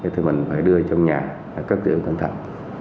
thì mình phải đưa trong nhà cất tiểu cẩn thận